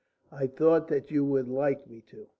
I thought that you would like me to."